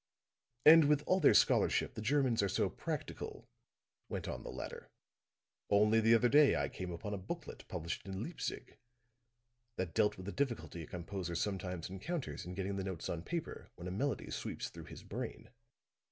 "And, with all their scholarship, the Germans are so practical," went on the latter. "Only the other day I came upon a booklet published in Leipzig that dealt with the difficulty a composer sometimes encounters in getting the notes on paper when a melody sweeps through his brain.